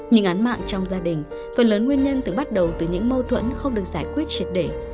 nhưng án mạng trong gia đình phần lớn nguyên nhân từng bắt đầu từ những mâu thuẫn không được giải quyết triệt để